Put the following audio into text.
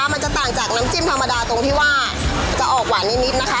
มันจะต่างจากน้ำจิ้มธรรมดาตรงที่ว่าจะออกหวานนิดนะคะ